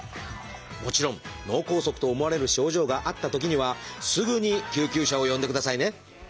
もちろん脳梗塞と思われる症状があったときにはすぐに救急車を呼んでくださいね！